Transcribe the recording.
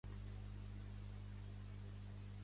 Tinc tantes ganes de tornar-te a veure!